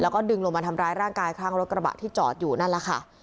แล้วก็ดึงลงมาทำร้ายร่างกายข้างรถกระบะที่จอดอยู่นั่นแหละค่ะ